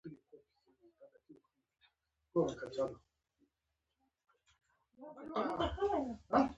افغانستان کې د ژبو د پرمختګ هڅې روانې دي.